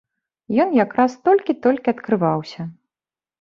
Ён якраз толькі-толькі адкрываўся.